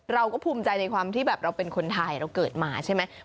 เราก็ภูมิใจในความที่แบบเราเป็นคนไทยเราเกิดมาใช่ไหม